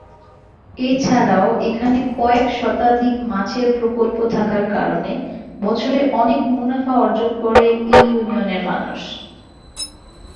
এছাড়াও এখানে কয়েক শতাধিক মাছের প্রকল্প থাকার কারণে বছরে অনেক মুনাফা অর্জন করে এই ইউনিয়নের মানুষ।